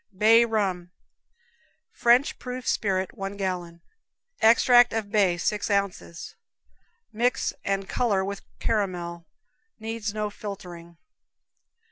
Bay Rum. French proof spirit, one gallon; extract bay, six ounces. Mix and color with caramel; needs no filtering.